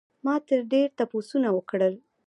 ما ترې ډېر تپوسونه وکړل